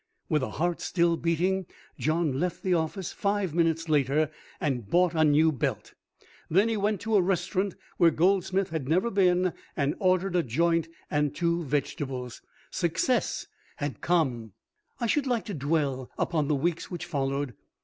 With a heart still beating John left the office five minutes later and bought a new belt. Then he went to a restaurant where Goldsmith had never been and ordered a joint and two veg. Success had come! IV I should like to dwell upon the weeks which followed.